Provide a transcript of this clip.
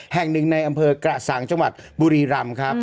แห่งหนึ่งในอำเภอกระสังจังหวัดบุรีรำครับ